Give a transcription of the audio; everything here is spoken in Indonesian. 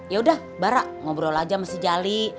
yaudah barak ngobrol aja sama si jali